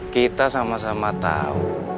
kita sama sama tahu